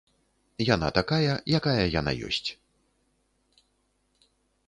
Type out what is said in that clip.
Яна такая, якая яна ёсць.